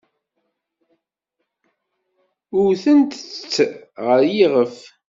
Wtent-tt ɣer yiɣef.